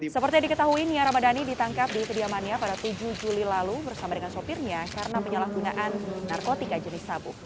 seperti diketahui nia ramadhani ditangkap di kediamannya pada tujuh juli lalu bersama dengan sopirnya karena penyelenggaraan narkoba